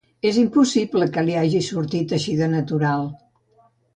És impossible que li hagi sortit així de natural.